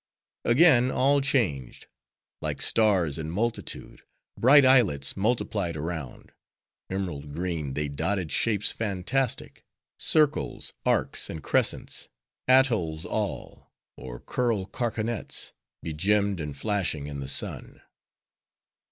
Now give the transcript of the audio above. Again, all changed. Like stars in multitude, bright islets multiplied around. Emerald green, they dotted shapes fantastic: circles, arcs, and crescents;—atolls all, or coral carcanets, begemmed and flashing in the sun.